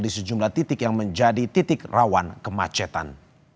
di sejumlah titik yang menjadi titik rawan kemacetan